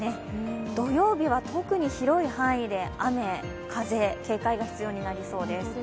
土曜日は特に広い範囲で雨、風、警戒が必要になりそうです。